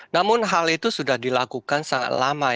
namun hal itu sudah dilakukan sangat lama